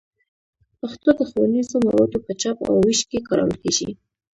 پښتو د ښوونیزو موادو په چاپ او ویش کې کارول کېږي.